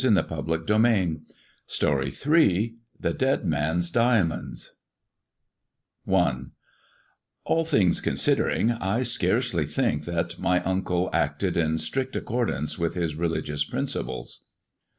r THE DEAD MAN'S DIAMONDS n <, THE DEAD MAN'S DIAMONDS A LL things considering, I scarcely think that my uncle LJL acted in strict accordance with his religious principles.